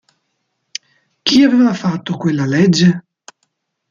Chi aveva fatto quella legge?